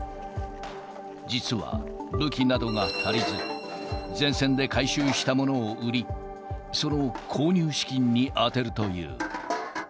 実は、武器などが足りず、前線で回収したものを売り、その購入資金に充てるという。